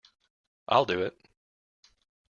I'll do it.